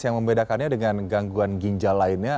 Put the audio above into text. yang membedakannya dengan gangguan ginjal lainnya